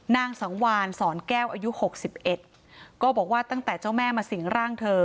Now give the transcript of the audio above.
นางสังวานสอนแก้วอายุหกสิบเอ็ดก็บอกว่าตั้งแต่เจ้าแม่มาสิงร่างเธอ